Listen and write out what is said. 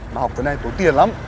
mà học cái này tốn tiền lắm